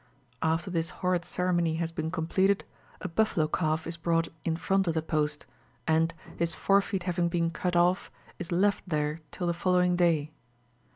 After this horrid ceremony has been completed, a buffalo calf is brought in front of the post, and, his forefeet having been cut off, is left there till the following day.